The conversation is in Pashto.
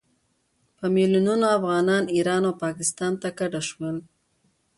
په میلونونو افغانان ایران او پاکستان ته کډه شول.